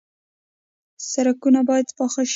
سړکونه باید پاخه شي